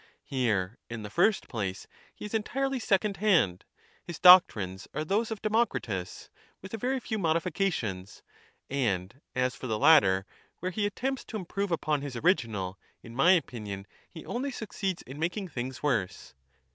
Here, in the first place, he is entirely "'""'^™*' second hand. His doctrines are those of Democritus, with a very few modifications. And as for the latter, where lie attempts to improve upon his original, in my opinion he only succeeds in making things worse.